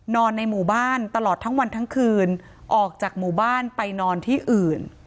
ในหมู่บ้านตลอดทั้งวันทั้งคืนออกจากหมู่บ้านไปนอนที่อื่น